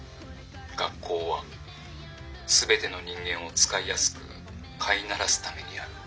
「学校は全ての人間を使いやすく飼いならすためにある」。